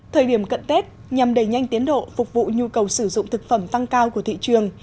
thời điểm cận tết nhằm đẩy nhanh tiến độ phục vụ nhu cầu sử dụng thực phẩm tăng cao của thị trường